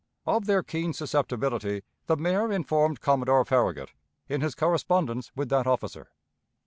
Of their keen susceptibility the Mayor informed Commodore Farragut in his correspondence with that officer.